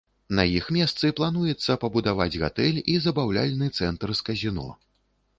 На іх месцы плануецца пабудаваць гатэль і забаўляльны цэнтр з казіно.